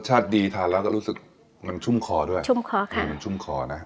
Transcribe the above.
ดีทานแล้วก็รู้สึกมันชุ่มคอด้วยชุ่มคอค่ะมันชุ่มคอนะ